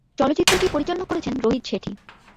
চলচ্চিত্রটি পরিচালনা করেছেন রোহিত শেঠী।